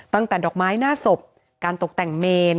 ตั้งแต่ดอกไม้หน้าศพการตกแต่งเมน